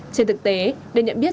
trên thực tế để nhận biết